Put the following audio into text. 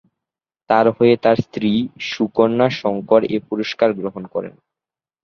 তার হয়ে তার স্ত্রী সুকন্যা শংকর এই পুরস্কার গ্রহণ করেন।